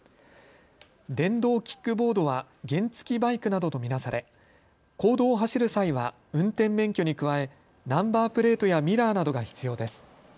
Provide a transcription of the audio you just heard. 電動キックボードは原付バイクなどと見なされ公道を走る際は運転免許に加えてナンバープレートやミラーなどが必要です。